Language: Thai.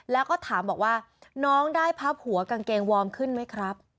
แล้วก็ถามบอกว่าน้องได้พับหัวกางเกงวอร์มขึ้นไหมครับ